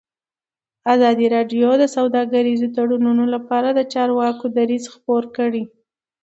ازادي راډیو د سوداګریز تړونونه لپاره د چارواکو دریځ خپور کړی.